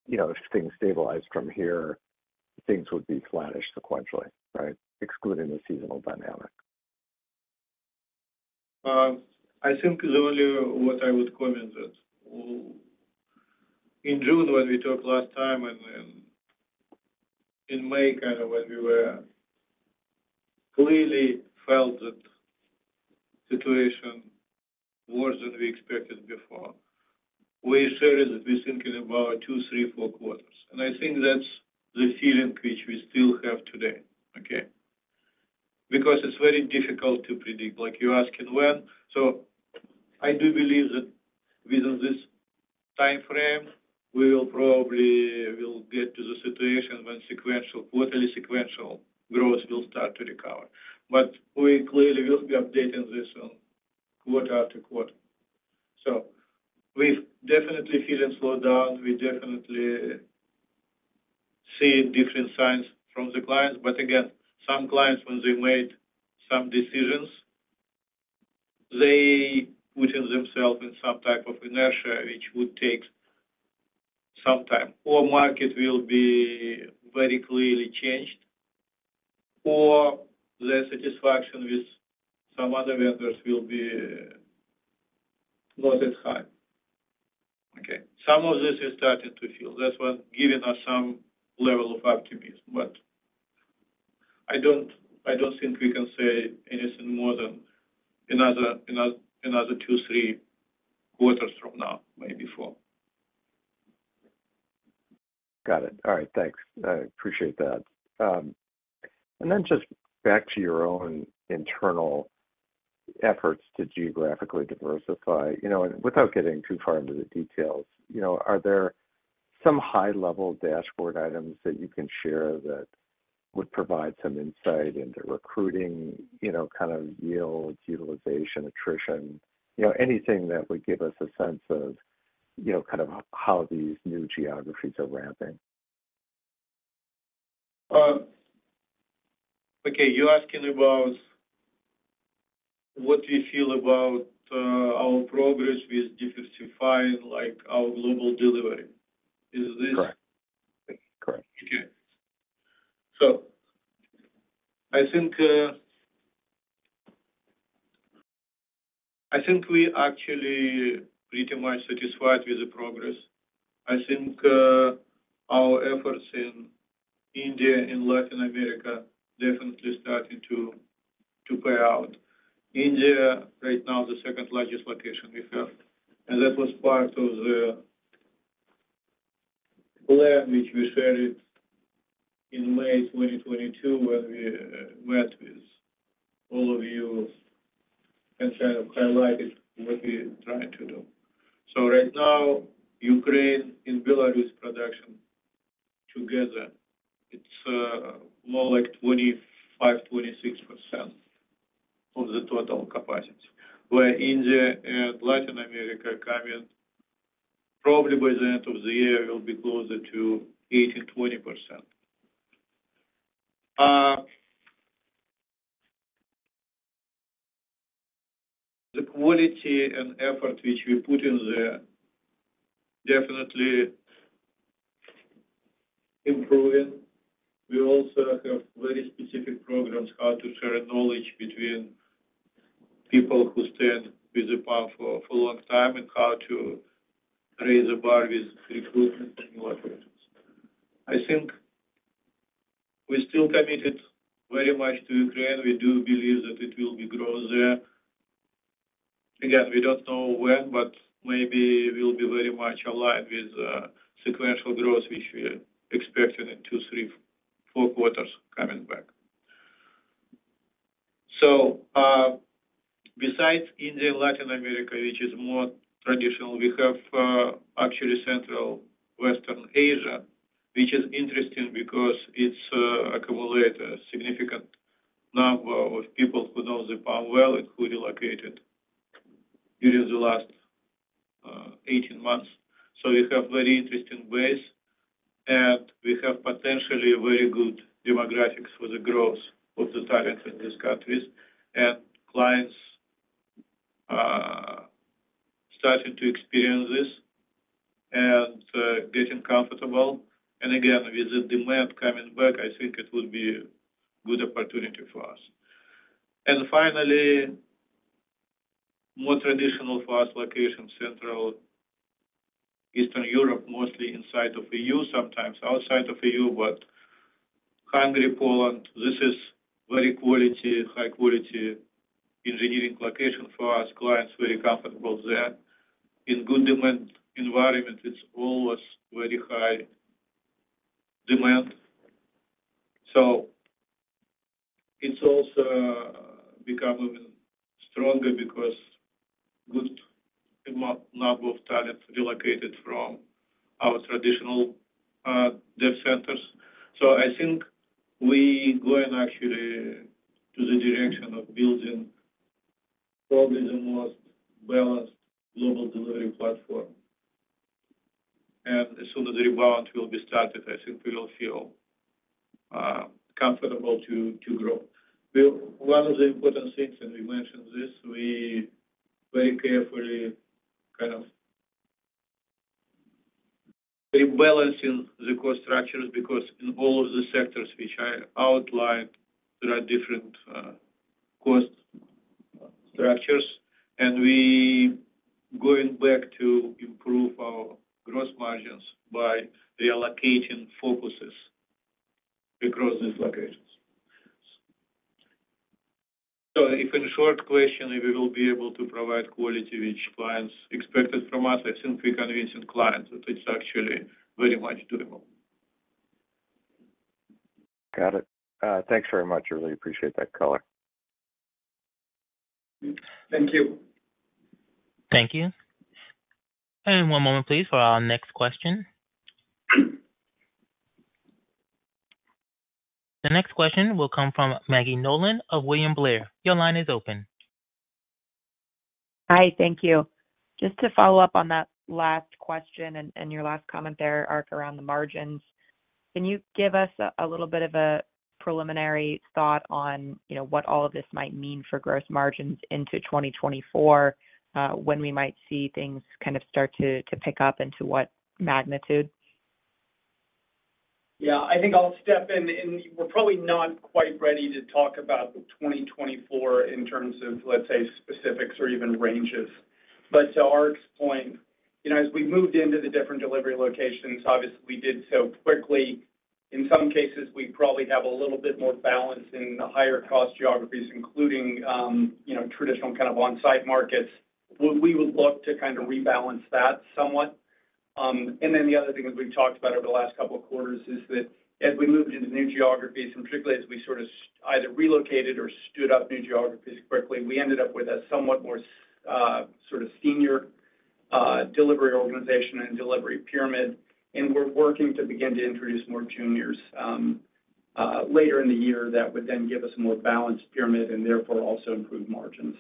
you know, if things stabilize from here, things would be flattish sequentially, right? Excluding the seasonal dynamic. I think the only what I would comment that, in June, when we talked last time, and then in May, kind of, when we clearly felt that situation worse than we expected before, we said that we thinking about 2, 3, 4 quarters. I think that's the feeling which we still have today, okay? Because it's very difficult to predict. Like you asking, when? I do believe that within this timeframe, we will probably will get to the situation when sequential, quarterly sequential growth will start to recover. We clearly will be updating this on quarter after quarter. We've definitely feeling slowed down. We definitely see different signs from the clients, but again, some clients, when they made some decisions, they putting themselves in some type of inertia, which would take some time, or market will be very clearly changed, or their satisfaction with some other vendors will be not as high. Okay. Some of this has started to feel. That's what giving us some level of optimism, but I don't, I don't think we can say anything more than another, another, another 2, 3 quarters from now, maybe 4. Got it. All right, thanks. I appreciate that. Then just back to your own internal efforts to geographically diversify, you know, and without getting too far into the details, you know, are there some high-level dashboard items that you can share that would provide some insight into recruiting, you know, kind of yields, utilization, attrition? You know, anything that would give us a sense of, you know, kind of how these new geographies are ramping. Okay, you're asking about what we feel about our progress with diversifying, like, our global delivery? Correct. Correct. Okay. I think, I think we actually pretty much satisfied with the progress. I think, our efforts in India and Latin America definitely starting to, to play out. India, right now, the second largest location we have, and that was part of the plan, which we shared it in May 2022, when we met with all of you and kind of highlighted what we are trying to do. Right now, Ukraine and Belarus production together, it's, more like 25%-26% of the total capacity, where India and Latin America combined. Probably by the end of the year, it will be closer to 18%-20%. The quality and effort which we put in there definitely improving. We also have very specific programs, how to share knowledge between people who stayed with EPAM for, for a long time, and how to raise the bar with recruitment and new operations. I think we're still committed very much to Ukraine. We do believe that it will be growth there. Again, we don't know when, but maybe we'll be very much aligned with sequential growth, which we're expecting in 2, 3, 4 quarters coming back. Besides India and Latin America, which is more traditional, we have actually Central Western Asia, which is interesting because it's accumulate a significant number of people who know EPAM well and who relocated during the last 18 months. We have very interesting ways, and we have potentially very good demographics for the growth of the targets in these countries. Clients starting to experience this and getting comfortable. Again, with the demand coming back, I think it will be a good opportunity for us. Finally, more traditional for us, location, Central Eastern Europe, mostly inside of the EU, sometimes outside of EU, but Hungary, Poland, this is very quality, high quality engineering location for us. Clients very comfortable there. In good demand environment, it's always very high demand. It's also become even stronger because good number of talents relocated from our traditional dev centers. I think we going actually to the direction of building probably the most balanced global delivery platform. As soon as the rebound will be started, I think we will feel comfortable to, to grow. One of the important things, and we mentioned this, we very carefully kind of rebalancing the cost structures because in all of the sectors which I outlined, there are different cost structures, and we going back to improve our gross margins by the allocating focuses across these locations. If in short question, we will be able to provide quality which clients expected from us, I think we convince the clients that it's actually very much doable. Got it. Thanks very much. Really appreciate that color. Thank you. Thank you. One moment, please, for our next question. The next question will come from Maggie Nolan of William Blair. Your line is open. Hi, thank you. Just to follow up on that last question and, and your last comment there, Ark, around the margins, can you give us a little bit of a preliminary thought on, you know, what all of this might mean for gross margins into 2024, when we might see things kind of start to, to pick up, and to what magnitude? Yeah, I think I'll step in. We're probably not quite ready to talk about the 2024 in terms of, let's say, specifics or even ranges. To Ark's point, you know, as we moved into the different delivery locations, obviously we did so quickly. In some cases, we probably have a little bit more balance in the higher cost geographies, including, you know, traditional kind of on-site markets, where we would look to kind of rebalance that somewhat. The other thing, as we've talked about over the last couple of quarters, is that as we moved into new geographies, and particularly as we sort of either relocated or stood up new geographies quickly, we ended up with a somewhat more, sort of senior, delivery organization and delivery pyramid. We're working to begin to introduce more juniors later in the year. That would then give us a more balanced pyramid and therefore also improve margins.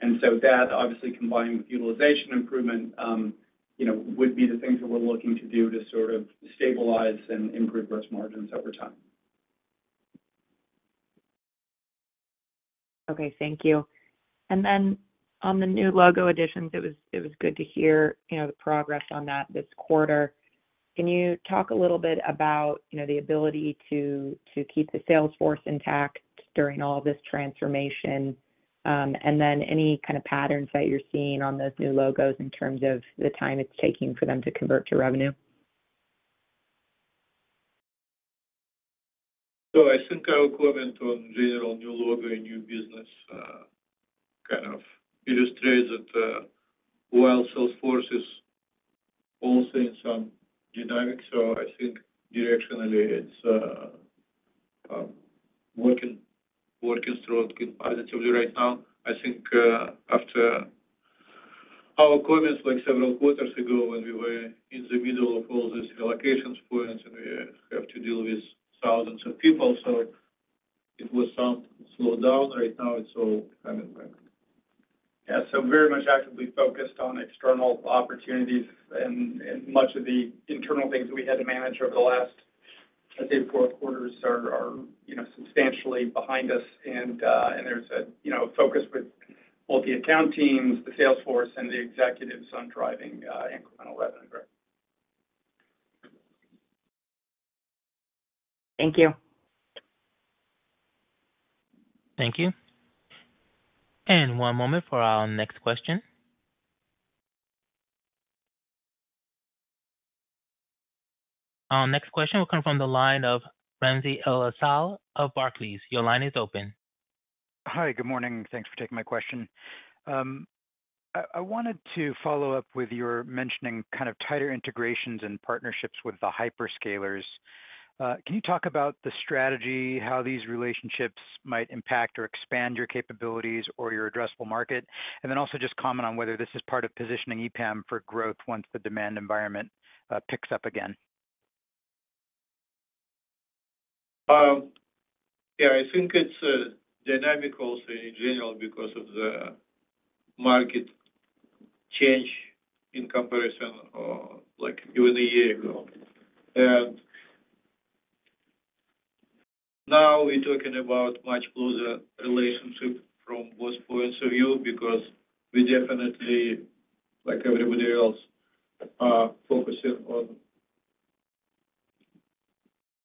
That, obviously, combined with utilization improvement, you know, would be the things that we're looking to do to sort of stabilize and improve gross margins over time. Okay, thank you. On the new logo additions, it was, it was good to hear, you know, the progress on that this quarter. Can you talk a little bit about, you know, the ability to, to keep the sales force intact during all this transformation? Any kind of patterns that you're seeing on those new logos in terms of the time it's taking for them to convert to revenue? I think our comment on general new logo and new business, kind of illustrates that, while Salesforce is also in some dynamic, so I think directionally, it's, working, working through it positively right now. I think, after our comments, like several quarters ago, when we were in the middle of all these allocations points, and we have to deal with thousands of people. It was some slowed down right now, so kind of like. Yeah, very much actively focused on external opportunities, and, and much of the internal things we had to manage over the last, I'd say, four quarters are, are, you know, substantially behind us. There's a, you know, focus with both the account teams, the sales force, and the executives on driving incremental revenue growth. Thank you. Thank you. One moment for our next question. Our next question will come from the line of Ramsey El-Assal of Barclays. Your line is open. Hi, good morning. Thanks for taking my question. I wanted to follow up with your mentioning kind of tighter integrations and partnerships with the hyperscalers. Can you talk about the strategy, how these relationships might impact or expand your capabilities or your addressable market? Also just comment on whether this is part of positioning EPAM for growth once the demand environment picks up again. Yeah, I think it's dynamical in general because of the market change in comparison, like even a year ago. Now we're talking about much closer relationship from both points of view, because we definitely, like everybody else, are focusing on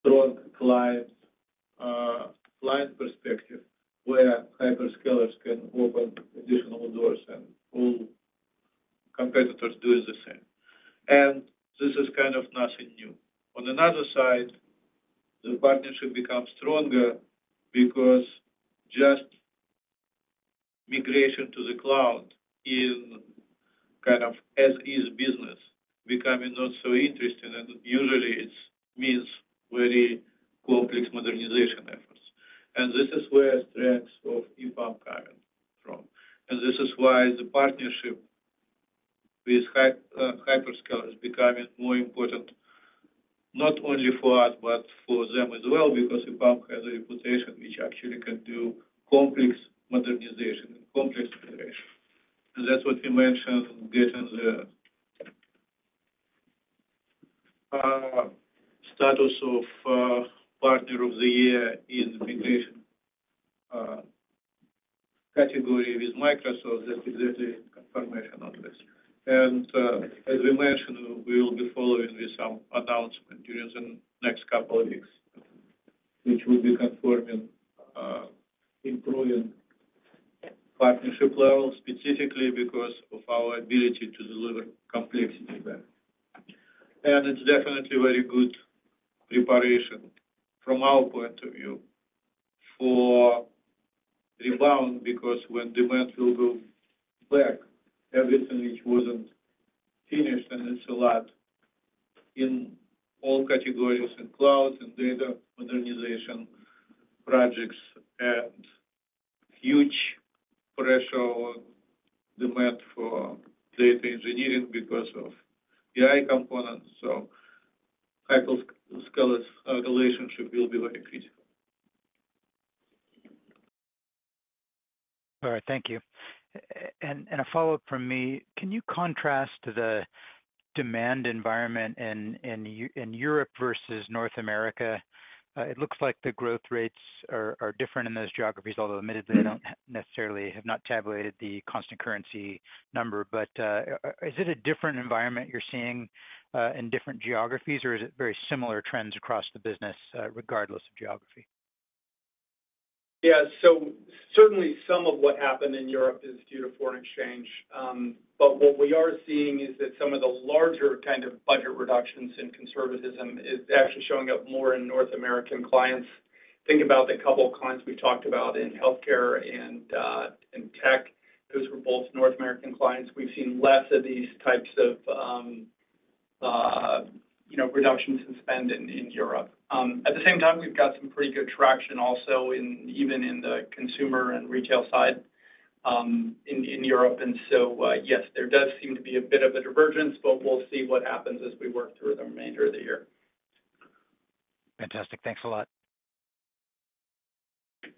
strong clients, client perspective, where hyperscalers can open additional doors, and all competitors do the same. This is kind of nothing new. On another side, the partnership becomes stronger because just migration to the cloud is kind of as is business, becoming not so interesting, and usually it's means very complex modernization efforts. This is where strengths of EPAM coming from. This is why the partnership with hyperscalers becoming more important, not only for us, but for them as well, because EPAM has a reputation which actually can do complex modernization and complex migration. That's what we mentioned getting the status of Partner of the Year in migration category with Microsoft. That's exactly confirmation on this. As we mentioned, we will be following with some announcement during the next couple of weeks, which will be confirming improving partnership level, specifically because of our ability to deliver complexity back. It's definitely very good preparation from our point of view for rebound, because when demand will go back, everything which wasn't finished, and it's a lot in all categories, in cloud, in data, modernization projects, and huge pressure on demand for data engineering because of AI components. Hyperscalers relationship will be very critical. All right, thank you. A follow-up from me, can you contrast the demand environment in Europe versus North America? It looks like the growth rates are different in those geographies, although admittedly, they don't necessarily have not tabulated the constant currency number. Is it a different environment you're seeing in different geographies, or is it very similar trends across the business, regardless of geography? Yeah, certainly some of what happened in Europe is due to foreign exchange. What we are seeing is that some of the larger kind of budget reductions in conservatism is actually showing up more in North American clients. Think about the couple of clients we talked about in healthcare and in tech. Those were both North American clients. We've seen less of these types of, you know, reductions in spend in Europe. At the same time, we've got some pretty good traction also in, even in the consumer and retail side, in Europe. Yes, there does seem to be a bit of a divergence, but we'll see what happens as we work through the remainder of the year. Fantastic. Thanks a lot.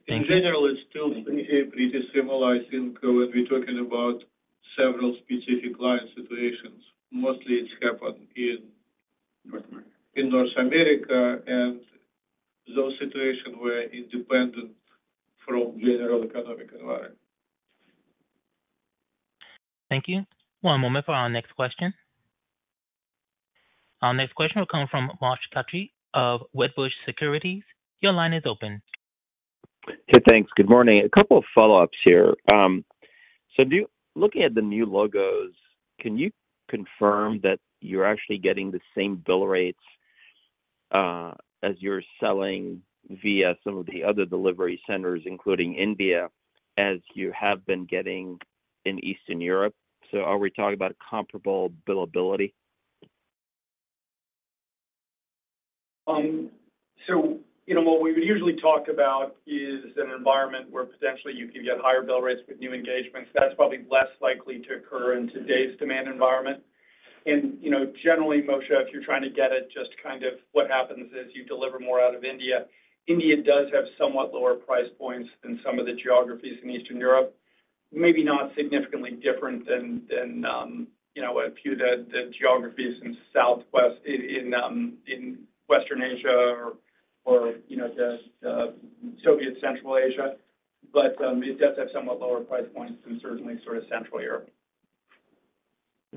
In general, it's still pretty similar, I think, when we're talking about several specific client situations. Mostly it's happened in- North America... in North America, and those situations were independent from general economic environment. Thank you. One moment for our next question. Our next question will come from Moshe Katri of Wedbush Securities. Your line is open. Hey, thanks. Good morning. A couple of follow-ups here. Looking at the new logos, can you confirm that you're actually getting the same bill rates, as you're selling via some of the other delivery centers, including India, as you have been getting in Eastern Europe? Are we talking about comparable billability? You know, what we would usually talk about is an environment where potentially you could get higher bill rates with new engagements. That's probably less likely to occur in today's demand environment. You know, generally, Moshe, if you're trying to get at just kind of what happens is you deliver more out of India. India does have somewhat lower price points than some of the geographies in Eastern Europe. Maybe not significantly different than, than, you know, a few of the, the geographies in Southwest, in, in, Western Asia or, or, you know, just, Soviet Central Asia, but, it does have somewhat lower price points than certainly sort of Central Europe.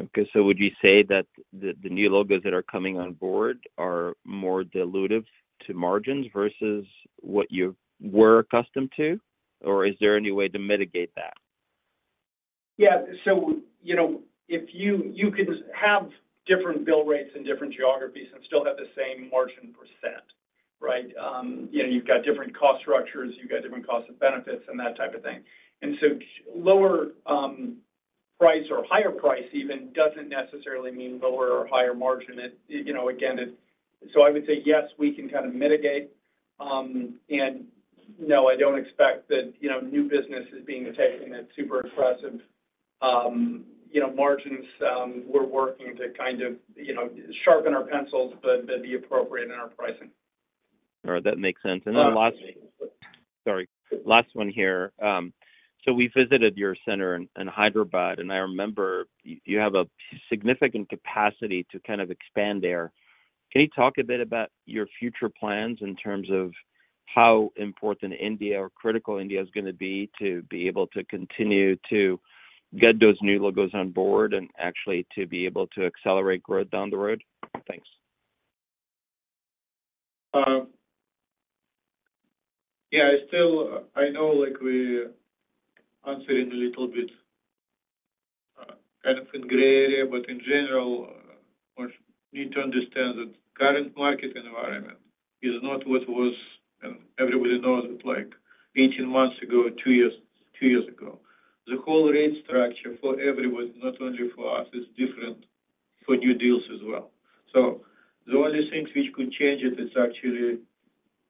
Okay. Would you say that the, the new logos that are coming on board are more dilutive to margins versus what you were accustomed to? Or is there any way to mitigate that? Yeah. You know, if you, you could have different bill rates in different geographies and still have the same margin %, right? You know, you've got different cost structures, you've got different costs of benefits and that type of thing. Lower price or higher price even, doesn't necessarily mean lower or higher margin. It, you know, again, I would say, yes, we can kind of mitigate. No, I don't expect that, you know, new business is being taken at super aggressive, you know, margins. We're working to kind of, you know, sharpen our pencils, but, but be appropriate in our pricing. All right, that makes sense. Uh, Last... Sorry, last one here. So we visited your center in Hyderabad, and I remember you, you have a significant capacity to kind of expand there. Can you talk a bit about your future plans in terms of how important India or critical India is gonna be, to be able to continue to get those new logos on board and actually to be able to accelerate growth down the road? Thanks. Yeah, I still, I know, like, we answering a little bit, kind of in gray area, but in general, you need to understand that current market environment is not what was, and everybody knows it, like 18 months ago, 2 years, 2 years ago. The whole rate structure for everyone, not only for us, is different for new deals as well. The only things which could change it is actually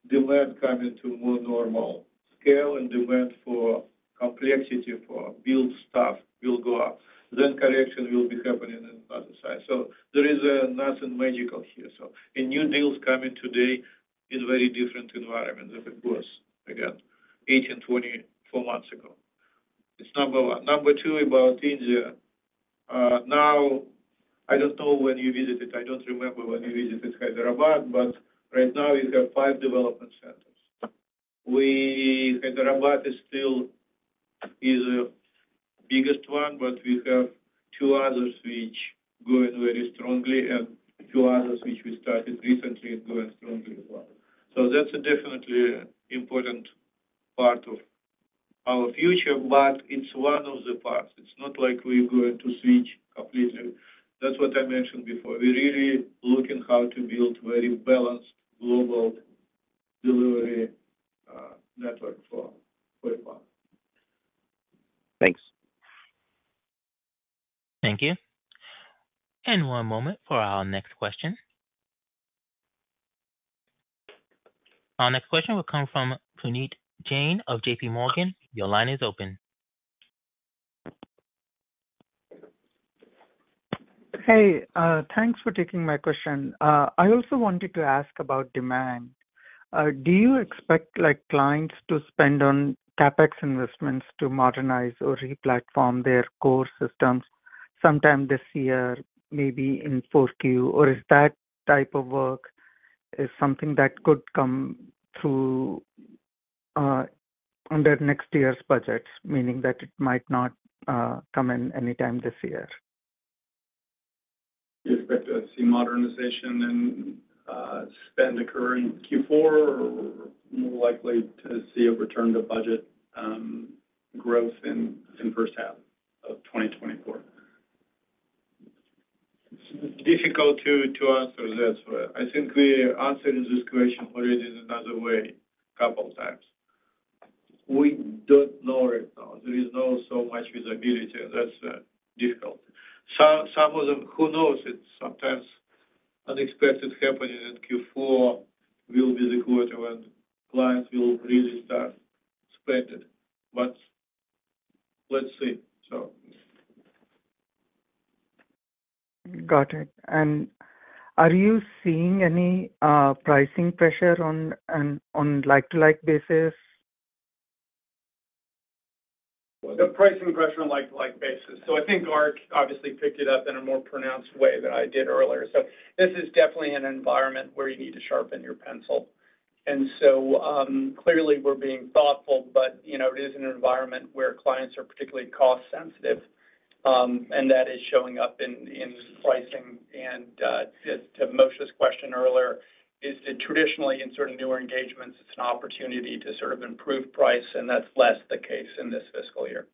demand coming to more normal scale, and demand for complexity, for build stuff will go up. Correction will be happening in other side. There is nothing magical here. New deals coming today is very different environment than it was, again, 18, 24 months ago. It's number 1. Number 2, about India. Now, I don't know when you visited. I don't remember when you visited Hyderabad, but right now we have five development centers. Hyderabad is still, is the biggest one, but we have two others which growing very strongly and two others which we started recently and growing strongly as well. That's a definitely important part of our future, but it's one of the parts. It's not like we're going to switch completely. That's what I mentioned before. We're really looking how to build very balanced global delivery network for, for now. Thanks. Thank you. One moment for our next question. Our next question will come from Puneet Jain of JP Morgan. Your line is open. Hey, thanks for taking my question. I also wanted to ask about demand. Do you expect, like, clients to spend on CapEx investments to modernize or replatform their core systems sometime this year, maybe in fourth Q? Or is that type of work is something that could come through under next year's budgets, meaning that it might not come in anytime this year? You expect to see modernization and spend occur in Q4, or more likely to see a return to budget growth in, in first half of 2024? It's difficult to, to answer that. I think we answered this question already in another way a couple times. We don't know right now. There is not so much visibility, that's difficult. Some, some of them, who knows, it's sometimes unexpected happening in Q4 will be the quarter when clients will really start spending. Let's see, so. Got it. Are you seeing any pricing pressure on like-to-like basis? The pricing pressure on like-to-like basis. I think Ark obviously picked it up in a more pronounced way than I did earlier. This is definitely an environment where you need to sharpen your pencil. Clearly, we're being thoughtful, but, you know, it is an environment where clients are particularly cost sensitive, and that is showing up in, in pricing. To Moshe's question earlier, is that traditionally, in sort of newer engagements, it's an opportunity to sort of improve price, and that's less the case in this fiscal year.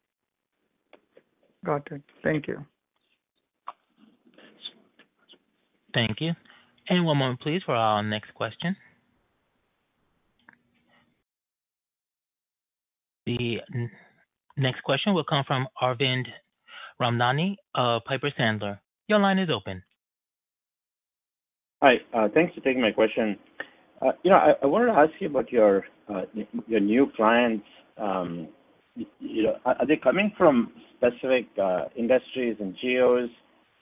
Got it. Thank you. Thank you. One moment, please, for our next question. The next question will come from Arvind Ramnani of Piper Sandler. Your line is open. Hi, thanks for taking my question. You know, I wanted to ask you about your new clients. You know, are they coming from specific industries and geos,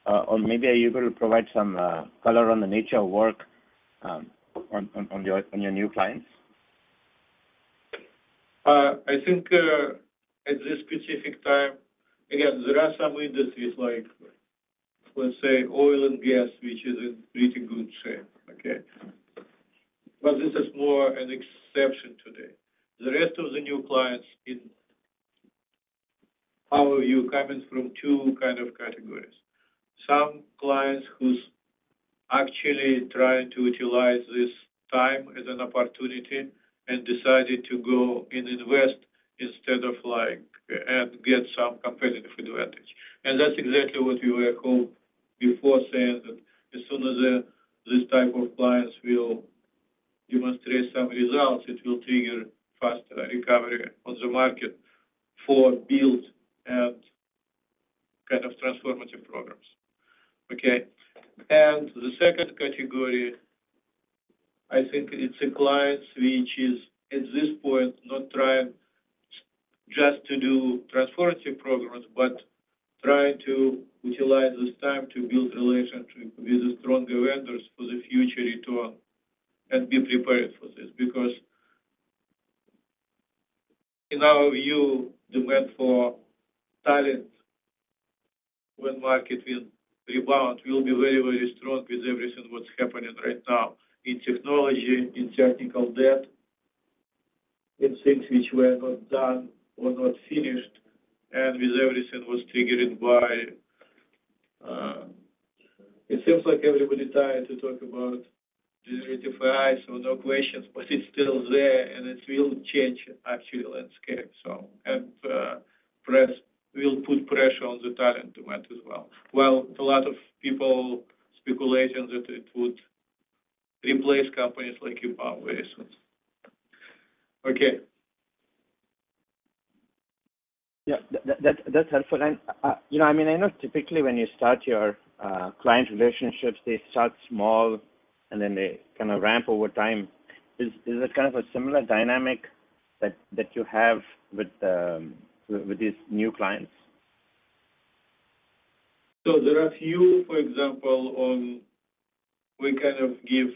or maybe are you going to provide some color on the nature of work on your new clients? I think, at this specific time, again, there are some industries like, let's say, oil and gas, which is in pretty good shape, okay? This is more an exception today. The rest of the new clients, in our view, coming from 2 kind of categories. Some clients who's actually trying to utilize this time as an opportunity and decided to go and invest instead of like... and get some competitive advantage. That's exactly what we were called before saying that as soon as this type of clients will demonstrate some results, it will trigger faster recovery of the market for build and kind of transformative programs, okay? The second category, I think it's a client which is, at this point, not trying just to do transformative programs, but trying to utilize this time to build relationship with the stronger vendors for the future return and be prepared for this. Because in our view, demand for talent, when market will rebound, will be very, very strong with everything what's happening right now in technology, in technical debt, in things which were not done or not finished, and with everything was triggered by, it seems like everybody tired to talk about generative AI, so no questions, but it's still there, and it will change actually landscape. Press will put pressure on the talent demand as well. Well, a lot of people speculation that it would replace companies like EPAM with it. Okay. Yeah, that, that, that's helpful. And, you know, I mean, I know typically when you start your client relationships, they start small, and then they kind of ramp over time. Is, is it kind of a similar dynamic that, that you have with, with, with these new clients? There are few, for example, on. We kind of give,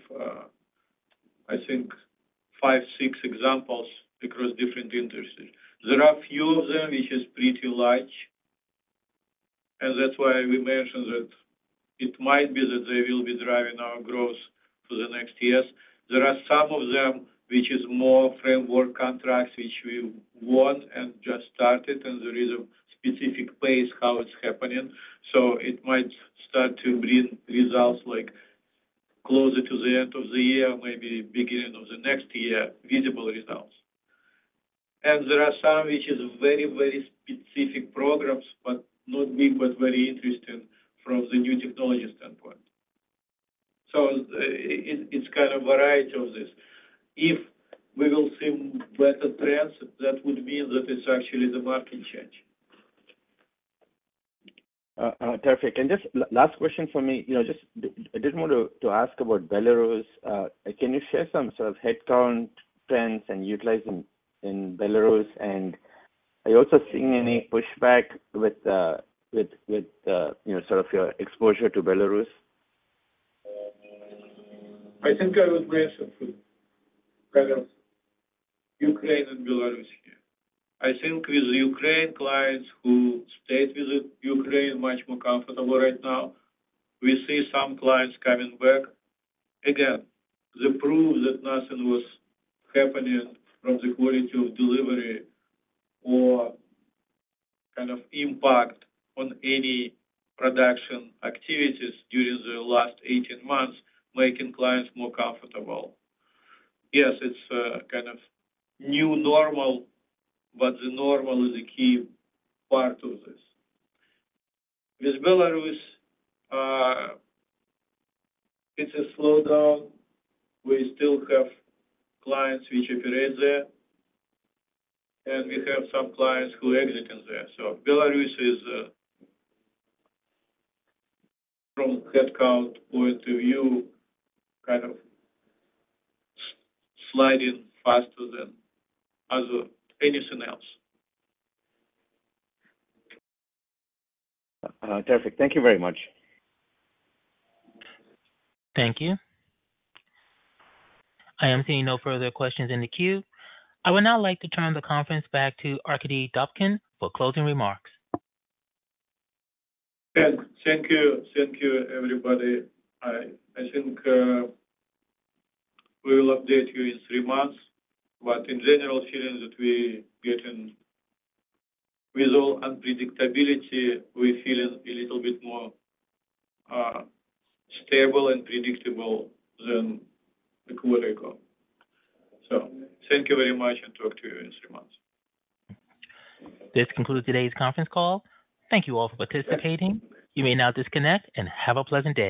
I think five, six examples across different industries. There are a few of them, which is pretty large, and that's why we mentioned that it might be that they will be driving our growth for the next years. There are some of them, which is more framework contracts, which we won and just started, and there is a specific pace how it's happening. It might start to bring results, like, closer to the end of the year, maybe beginning of the next year, visible results. There are some, which is very, very specific programs, but not big, but very interesting from the new technology standpoint. It, it's kind of variety of this. If we will see better trends, that would mean that it's actually the market change. Perfect. Just last question for me, you know, just I did want to ask about Belarus. Can you share some sort of headcount trends and utilization in Belarus? Are you also seeing any pushback with, you know, sort of your exposure to Belarus? I think I would raise it with Ukraine and Belarus here. I think with Ukraine, clients who stayed with Ukraine much more comfortable right now. We see some clients coming back. The proof that nothing was happening from the quality of delivery or kind of impact on any production activities during the last 18 months, making clients more comfortable. Yes, it's a kind of new normal, but the normal is a key part of this. With Belarus, it's a slowdown. We still have clients which operate there, and we have some clients who are exiting there. Belarus is from headcount point of view, kind of sliding faster than other anything else. Perfect. Thank you very much. Thank you. I am seeing no further questions in the queue. I would now like to turn the conference back to Arkadiy Dobkin for closing remarks. Thank, thank you. Thank you, everybody. I, I think, we will update you in 3 months, but in general, feeling that we getting with all unpredictability, we're feeling a little bit more, stable and predictable than the quarter ago. Thank you very much, and talk to you in 3 months. This concludes today's conference call. Thank you all for participating. You may now disconnect, and have a pleasant day.